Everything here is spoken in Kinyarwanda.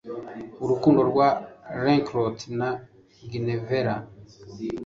urukundo rwa Lancelot na Guinevere